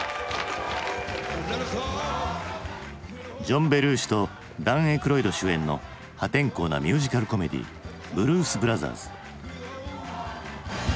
ジョン・ベルーシとダン・エイクロイド主演の破天荒なミュージカル・コメディー「ブルース・ブラザース」。